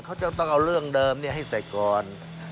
เขาจะต้องเอาเรื่องเดิมให้เสร็จก่อน